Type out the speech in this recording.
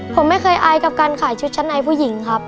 ผมไม่เคยอายกับการขายชุดชั้นในผู้หญิงครับ